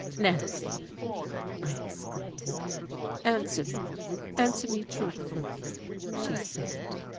"Nancy!" I exclaimed. "Answer me answer me truthfully," she said....